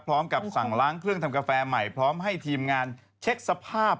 พร้อมกับสั่งล้างเครื่องทำกาแฟใหม่พร้อมให้ทีมงานเช็คสภาพ